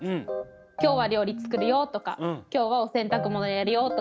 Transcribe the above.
今日は料理作るよとか今日はお洗濯物やるよとか。